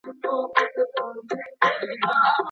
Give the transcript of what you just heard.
حرکت او لوبه د ماشومانو ذهن روښانه کوي.